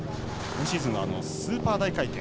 今シーズンはスーパー大回転。